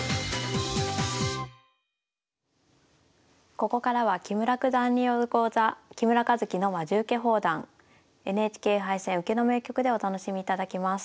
ここからは木村九段による講座「木村一基のまじウケ放談ＮＨＫ杯戦・受けの名局」でお楽しみいただきます。